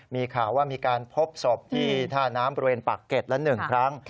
มีข่าวว่ามีการพบศพที่ท่าน้ำบริเวณปากเก็ตละ๑ครั้ง